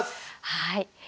はい。